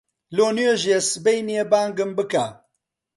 لۆ نوێژی سبەینێ بانگم بکە.